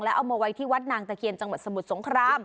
เอามาไว้ที่วัดนางตะเคียนจังหวัดสมุทรสงคราม